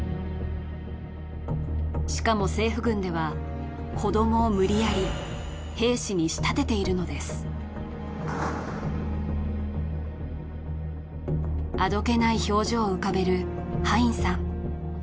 しかも政府軍では子どもを無理やり兵士に仕立てているのですあどけない表情を浮かべるハインさん